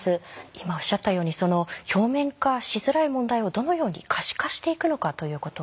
今おっしゃったように表面化しづらい問題をどのように可視化していくのかということですよね。